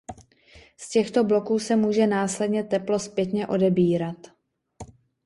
Z těchto bloků se může následně teplo zpětně odebírat.